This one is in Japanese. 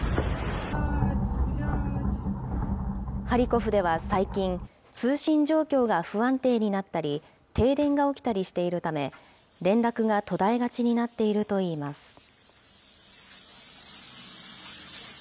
ハリコフでは最近、通信状況が不安定になったり、停電が起きたりしているため、連絡が途絶えがちになっているといいます。